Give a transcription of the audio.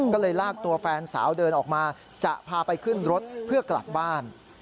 ก็เลยลากตัวแฟนสาวเดินออกมาจะพาไปขึ้นรถเพื่อกลับบ้าน